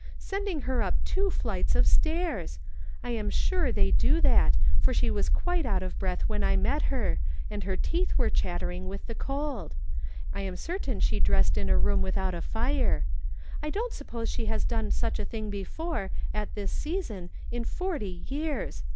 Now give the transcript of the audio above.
Sending lier up two flights of stairs ! I am sure they do that, for she was quite out of breath when I met lier, and her teeth were chattering with the cold. I am certain she dressed in a room without a lire. I don't suppose she has done such a thing before, at this season, in forty years.